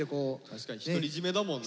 確かに独り占めだもんな。